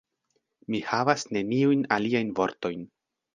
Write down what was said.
Mi havas neniujn aliajn vortojn.